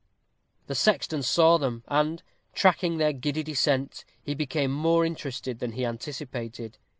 The sexton saw them, and, tracking their giddy descent, he became more interested than he anticipated.